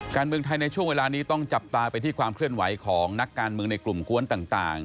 การเมืองไทยในช่วงเวลานี้ต้องจับตาไปที่ความเคลื่อนไหวของนักการเมืองในกลุ่มกวนต่าง